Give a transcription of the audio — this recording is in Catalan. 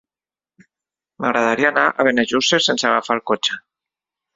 M'agradaria anar a Benejússer sense agafar el cotxe.